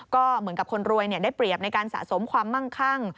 ก็เหมือนกับคนรวยได้เปรียบในการสะสมความมั่งคั่ง